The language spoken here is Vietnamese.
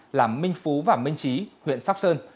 trong địa bàn hai xã là minh phú và minh trí huyện sóc sơn